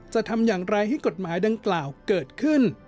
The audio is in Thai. จะทำอย่างไรให้กฎหมายดังกล่าวเกิดขึ้น